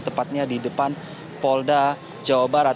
tepatnya di depan polda jawa barat